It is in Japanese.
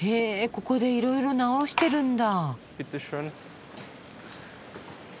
ここでいろいろ直してるんだ。